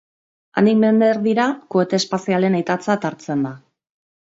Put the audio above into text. Handik mende erdira, kohete espazialen aitatzat hartzen da.